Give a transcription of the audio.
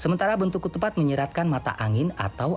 sementara bentuk ketupat menyeratkan mata angin atau hati nurani